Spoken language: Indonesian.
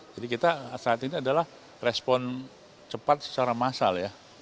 jadi kita saat ini adalah respon cepat secara massal ya